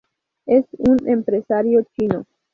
Es un empresario chino.